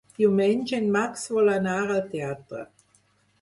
Diumenge en Max vol anar al teatre.